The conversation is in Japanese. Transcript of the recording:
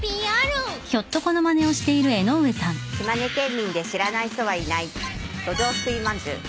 島根県民で知らない人はいないどじょう掬いまんじゅう。